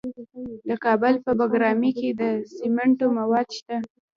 د کابل په بګرامي کې د سمنټو مواد شته.